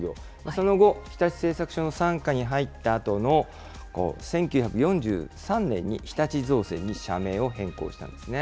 その後、日立製作所の傘下に入ったあとの１９４３年に、日立造船に社名を変更したんですね。